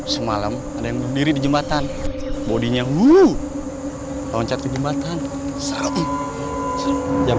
semalam ada yang berdiri di jembatan bodinya uh loncat kejembatan yang